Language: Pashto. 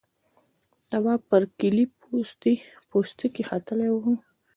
تواب پر کيلې پوستکي ختلی و.